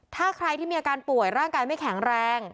ถ้าใครที่มีอาการป่วยร่างกายไม่แข็งแรง